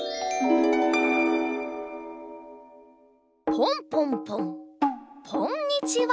ポンポンポンポンにちは。